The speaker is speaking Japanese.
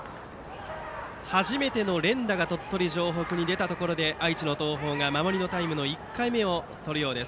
初めての連打が鳥取城北に出たところで愛知の東邦が守りのタイム１回目。